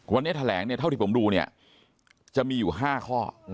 วันนี้แถลงเนี่ยเท่าที่ผมดูเนี่ยจะมีอยู่๕ข้อ